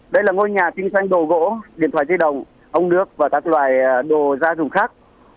đây là ngôi nhà kinh doanh đổ gỗ điện thoại di động hông nước và các loài đồ gia dùng khác